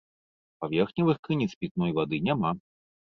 Паверхневых крыніц пітной вады няма.